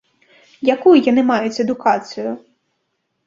Якую яны маюць адукацыю?